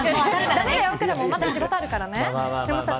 駄目だよ、くらもんまだ仕事あるからね。